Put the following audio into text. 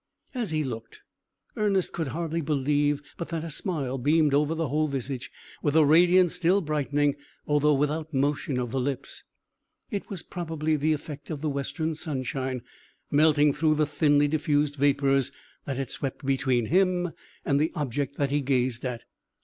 As he looked, Ernest could hardly believe but that a smile beamed over the whole visage, with a radiance still brightening, although without motion of the lips. It was probably the effect of the western sunshine, melting through the thinly diffused vapours that had swept between him and the object that he gazed at.